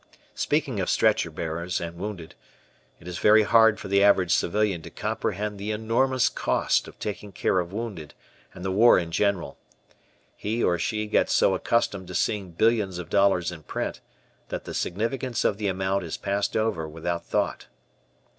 Speaking of stretcher bearers and wounded, it is very hard for the average civilian to comprehend the enormous cost of taking care of wounded and the war in general. He or she gets so accustomed to seeing billions of dollars in print that the significance of the amount is passed over without thought.